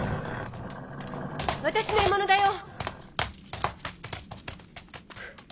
私の獲物だよ。